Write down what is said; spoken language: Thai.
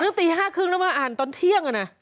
ถึงหนึ่งตี๕๓๐แล้วมาอ่านตอนเที่ยงละนะ